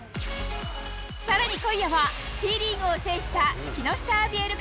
さらに今夜は、Ｔリーグを制した木下アビエル